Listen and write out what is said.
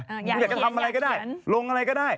คุณอยากจะทำอะไรก็ได้ลงอะไรก็ได้